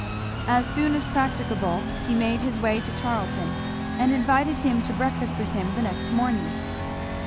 As soon as practicable he made his way to Charlton, and invited him to breakfast with him the next morning.